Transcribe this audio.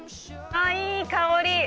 あぁいい香り。